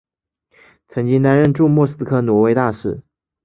曾经担任驻莫斯科挪威大使。